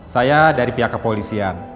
saya dari pihak kepolisian